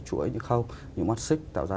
chuỗi những khâu những mắt xích tạo ra